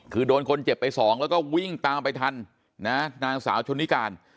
คือโดนคนเจ็บไปสองแล้วก็วิ่งตามไปทันนะนางสาวชนนิการ